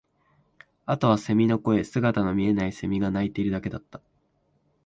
あとは蝉の声、姿の見えない蝉が鳴いているだけだった